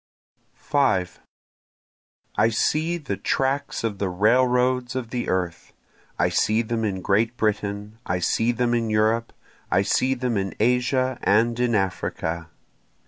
5 I see the tracks of the railroads of the earth, I see them in Great Britain, I see them in Europe, I see them in Asia and in Africa.